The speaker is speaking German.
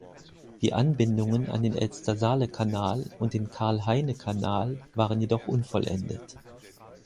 Die Anbindungen an den Elster-Saale-Kanal und den Karl-Heine-Kanal waren jedoch unvollendet.